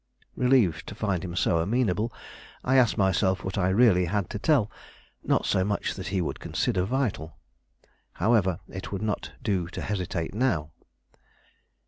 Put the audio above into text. Relieved to find him so amenable, I asked myself what I really had to tell; not so much that he would consider vital. However, it would not do to hesitate now.